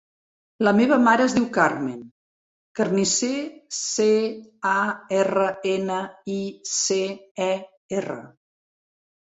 La meva mare es diu Carmen Carnicer: ce, a, erra, ena, i, ce, e, erra.